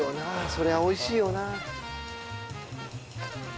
そりゃおいしいよな